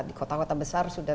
di kota kota besar sudah